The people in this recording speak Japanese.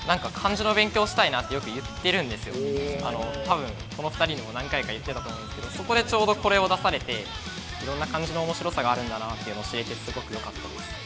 最近本当に何か多分この２人にも何回か言ってたと思うんですけどそこでちょうどこれを出されていろんな漢字の面白さがあるんだなっていうのを知れてすごくよかったです。